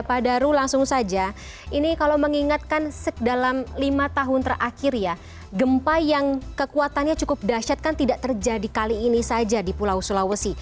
pak daru langsung saja ini kalau mengingatkan dalam lima tahun terakhir ya gempa yang kekuatannya cukup dahsyat kan tidak terjadi kali ini saja di pulau sulawesi